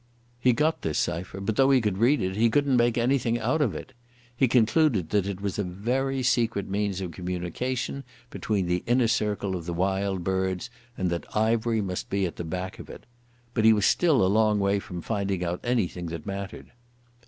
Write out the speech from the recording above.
He got this cipher, but though he could read it he couldn't make anything out of it. He concluded that it was a very secret means of communication between the inner circle of the Wild Birds, and that Ivery must be at the back of it.... But he was still a long way from finding out anything that mattered.